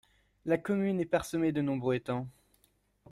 La commune est parsemée de nombreux étangs.